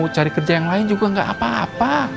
cari kerja yang lain juga gak apa apa